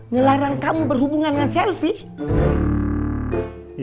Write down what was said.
ngelarang kamu berhubungan dengan selfie